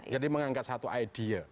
jadi mengangkat satu idea